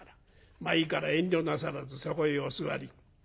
まあいいから遠慮なさらずそこへお座り。